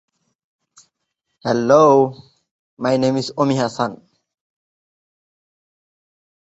Slate উৎকৃষ্ট মানের দানাদার ফলিত রূপান্তরিত শিলা।